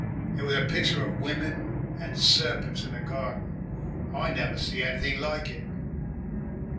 It was a picture of women and serpents in a garden. I never see anything like it.